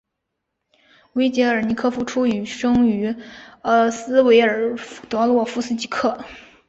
维捷尔尼科夫生于斯维尔德洛夫斯克。